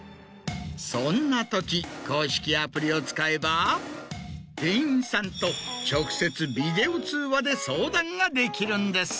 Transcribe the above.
そんなとき公式アプリを使えば店員さんと直接ビデオ通話で相談ができるんです。